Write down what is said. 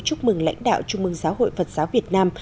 chúc mừng lãnh đạo trung mương giáo hội phật giáo việt nam